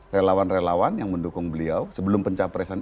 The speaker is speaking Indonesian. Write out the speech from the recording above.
relawan relawan yang mendukung beliau sebelum pencapresan